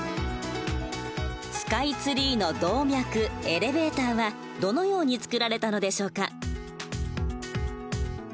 スカイツリーの動脈エレベーターはどのように作られたのでしょうか。